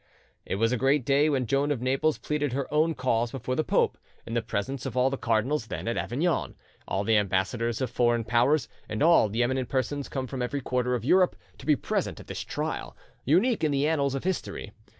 It was a great day when Joan of Naples pleaded her own cause before the pope, in the presence of all the cardinals then at Avignon, all the ambassadors of foreign powers, and all the eminent persons come from every quarter of Europe to be present at this trial, unique in the annals of history.